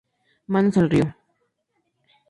Manos al río!